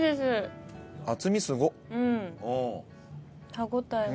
歯応えが。